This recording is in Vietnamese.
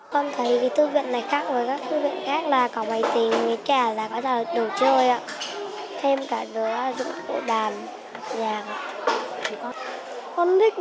con thấy thư viện này khác với các thư viện khác là có máy tính